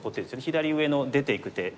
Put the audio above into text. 左上の出ていく手。